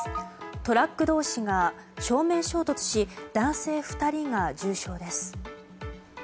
トラック同士が正面衝突し男性２人が重傷です。